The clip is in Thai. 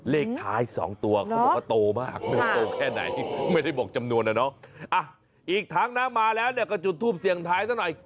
เลขท้ายสองตัวโตมากโตแค่ไหนไม่ได้บอกจำนวนน่ะเนอะอีกทั้งนะมาแล้วเนี่ยกระจุดทูปเสียงท้ายหน่อย